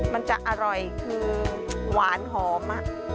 มันจะอร่อยคือหวานหอม